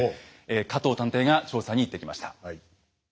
加藤探偵が調査に行ってきました。